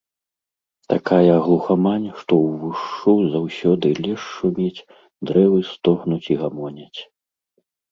Такая глухамань, што ўвушшу заўсёды лес шуміць, дрэвы стогнуць і гамоняць.